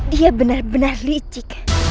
dia benar benar licik